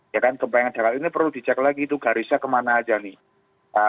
ya kan gempa yang ada ini perlu dicek lagi itu garisnya kemana aja nih